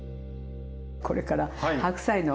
これから白菜の。